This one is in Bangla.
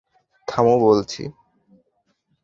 থামো বলছি!